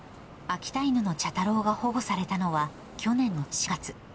秋田犬の茶太郎が保護されたのは、去年の４月。